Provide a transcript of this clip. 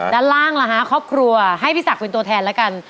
ด้านล่างล่ะฮะครอบครัวให้พี่ศักดิ์เป็นตัวแทนแล้วกัน